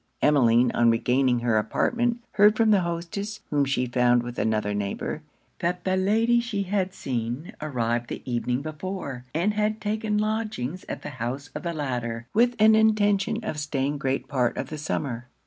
Emmeline, on regaining her apartment, heard from the hostess, whom she found with another neighbour, that the lady she had seen arrived the evening before, and had taken lodgings at the house of the latter, with an intention of staying great part of the summer.